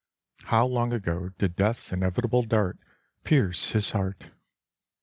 How long ago did death's inevitable dart pierce his heart?